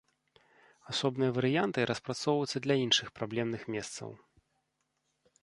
Асобныя варыянты распрацоўваюцца для іншых праблемных месцаў.